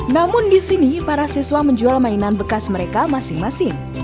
namun di sini para siswa menjual mainan bekas mereka masing masing